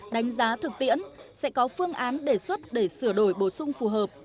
đánh giá thực tiễn sẽ có phương án đề xuất để sửa đổi bổ sung phù hợp